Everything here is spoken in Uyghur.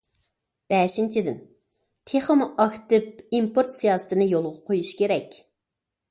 بەشىنچىدىن، تېخىمۇ ئاكتىپ ئىمپورت سىياسىتىنى يولغا قويۇش كېرەك.